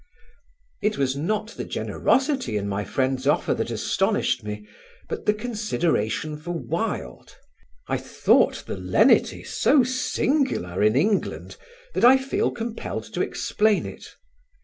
It was not the generosity in my friend's offer that astonished me, but the consideration for Wilde; I thought the lenity so singular in England that I feel compelled to explain it.